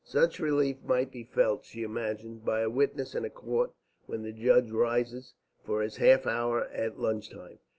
Such relief might be felt, she imagined, by a witness in a court when the judge rises for his half hour at luncheon time.